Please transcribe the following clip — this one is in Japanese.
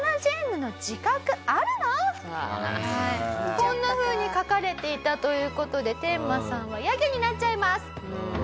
こんなふうに書かれていたという事でテンマさんはやけになっちゃいます。